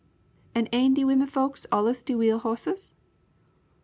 "An' ain' de womenfolks allus de wheel hosses?